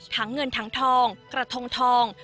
ทั้งเงินทางทองกระทงทอง